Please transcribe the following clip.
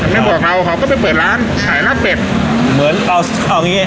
ไม่บอกเราเขาก็ไปเปิดร้านขายลาบเป็ดเหมือนเอาเอาอย่างงี้